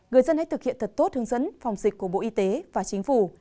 người dân hãy thực hiện thật tốt hướng dẫn phòng dịch của bộ y tế và chính phủ